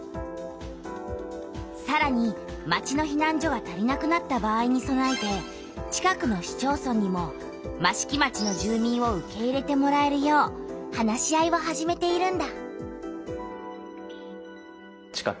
さらに町のひなん所が足りなくなった場合にそなえて近くの市町村にも益城町の住民を受け入れてもらえるよう話し合いを始めているんだ。